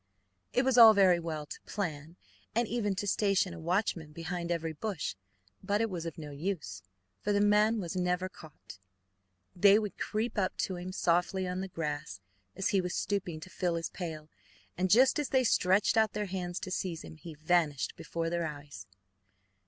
It was all very well to plan, and even to station a watchman behind every bush, but it was of no use, for the man was never caught. They would creep up to him softly on the grass, as he was stooping to fill his pail, and just as they stretched out their hands to seize him, he vanished before their eyes.